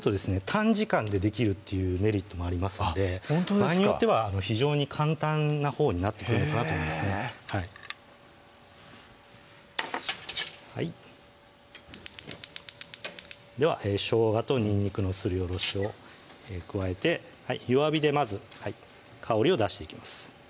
短時間でできるっていうメリットもありますので場合によっては非常に簡単なほうになってくるのかなと思いますねではしょうがとにんにくのすりおろしを加えて弱火でまず香りを出していきます